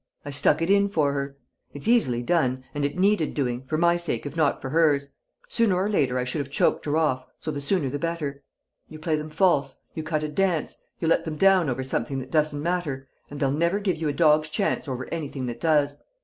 I stuck it in for her. It's easily done, and it needed doing, for my sake if not for hers. Sooner or later I should have choked her off, so the sooner the better. You play them false, you cut a dance, you let them down over something that doesn't matter, and they'll never give you a dog's chance over anything that does!